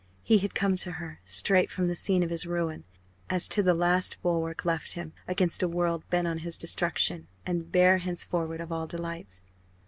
He had come to her, straight from the scene of his ruin, as to the last bulwark left him against a world bent on his destruction, and bare henceforward of all delights.